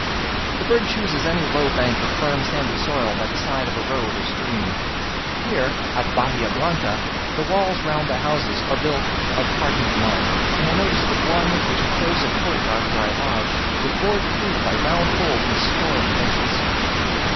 The bird chooses any low bank of firm sandy soil by the side of a road or stream. Here (at Bahia Blanca) the walls round the houses are built of hardened mud, and I noticed that one, which enclosed a courtyard where I lodged, was bored through by round holes in a score of places.